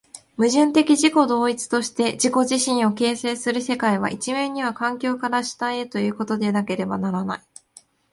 矛盾的自己同一として自己自身を形成する世界は、一面には環境から主体へということでなければならない。